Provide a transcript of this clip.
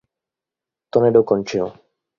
To nedokončil.